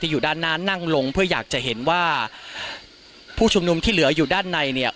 อยู่ด้านหน้านั่งลงเพื่ออยากจะเห็นว่าผู้ชุมนุมที่เหลืออยู่ด้านในเนี่ย